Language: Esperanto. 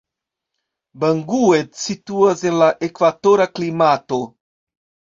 Bangued situas en la ekvatora klimato.